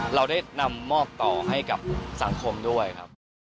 เราได้นำมอบต่อให้กับสังคมด้วยครับ